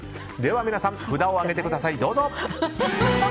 皆さん、札を上げてください。